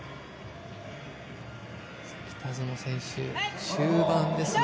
北園選手終盤ですね。